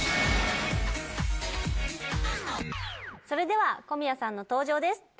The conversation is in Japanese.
それでは小宮さんの登場です。